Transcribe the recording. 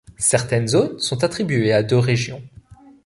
Certaines zones sont attribuées à deux régions.